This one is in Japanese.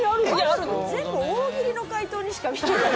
あるの全部大喜利の回答にしか見えない。